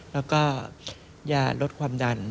แล้วก็ยาลดความดัน